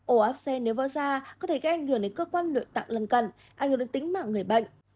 ổ áp xe nếu vỡ da có thể gây ảnh hưởng đến cơ quan nội tạng lần cận ảnh hưởng đến tính mạng người bệnh